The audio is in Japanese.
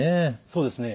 そうですね。